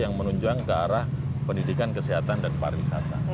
yang menunjang ke arah pendidikan kesehatan dan pariwisata